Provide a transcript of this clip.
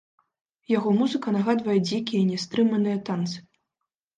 Яго музыка нагадвае дзікія, нястрыманыя танцы.